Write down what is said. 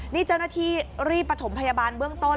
นี่เจ้าหน้าที่รีบประถมพยาบาลเบื้องต้น